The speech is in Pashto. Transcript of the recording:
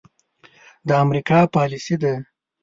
د امريکا پاليسي ده.